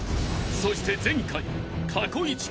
［そして前回］